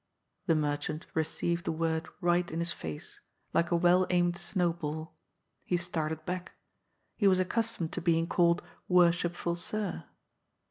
The merchant received the word right in his face, like a well aimed snowball. He started back. He was accus tomed to being called " Worshipful Sir."